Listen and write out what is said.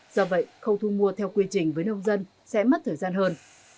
do vậy khâu thu mua theo quy trình với nông dân sẽ mất thời gian hơn